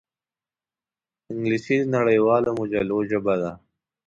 انګلیسي د نړیوالو مجلو ژبه ده